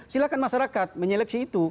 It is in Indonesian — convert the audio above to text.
silakan masyarakat menyeleksi itu